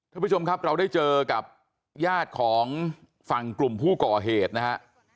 ท่านผู้ชมครับเราได้เจอกับญาติของฝั่งกลุ่มผู้ก่อเหตุนะฮะ